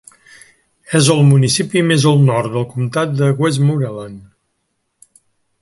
És el municipi més al nord del comtat de Westmoreland.